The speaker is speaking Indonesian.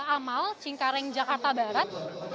amal cingkareng jakarta barat